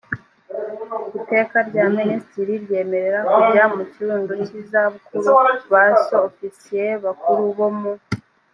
iteka rya minisitiri ryemerera kujya mu kiruhuko cy izabukuru ba su ofisiye bakuru bo mu